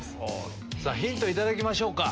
ヒント頂きましょうか。